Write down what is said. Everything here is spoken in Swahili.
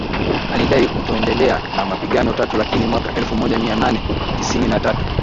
alidai kutoendelea na mapigano Tatu lakini mwaka elfu moja mia nane tisini na tatu